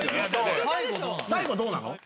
最後どうなの？